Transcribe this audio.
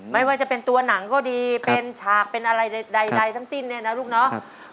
ไม่ว่าจะเป็นตัวหนังก็ดีเป็นฉากเป็นอะไรใดทั้งสิ้นเนี่ยนะลูกเนาะ